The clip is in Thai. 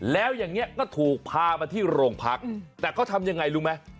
แล้วอย่างนี้ก็ถูกพามาที่โรงพักแต่เขาทำยังไงรู้ไหม